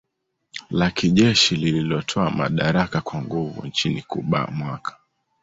La kijeshi lililotwaa madaraka kwa nguvu nchini Cuba mwaka